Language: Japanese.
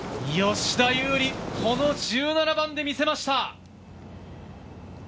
吉田優利、この１７番で見せました！